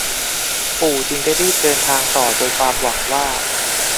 ปู่จึงได้รีบเดินทางต่อโดยความหวังว่า